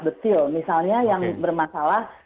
betil misalnya yang bermasalah